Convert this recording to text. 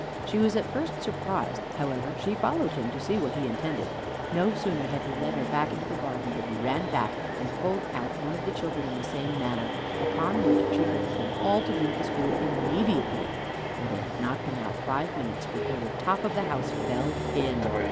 She was at first surprised; however, she followed him, to see what he intended. No sooner had he led her back into the garden, but he ran back, and pulled out one of the children in the same manner; upon which she ordered them all to leave the school immediately, and they had not been out five minutes before the top of the house fell in.